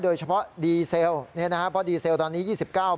โดยเฉพาะดีเซลเพราะดีเซลตอนนี้๒๙บาท